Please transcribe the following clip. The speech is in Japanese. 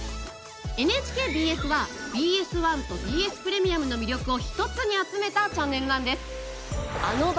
ＮＨＫＢＳはＢＳ１とＢＳプレミアムの魅力を一つに集めたチャンネルなんです。